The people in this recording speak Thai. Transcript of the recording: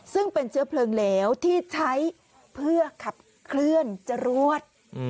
ซึ่งเป็นเชื้อเพลิงเหลวที่ใช้เพื่อขับเคลื่อนจรวด